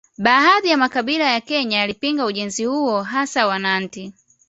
Baadhi ya makabila ya Kenya yalipinga ujenzi huo hasa Wanandi